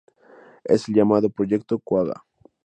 Es el llamado "Proyecto Quagga".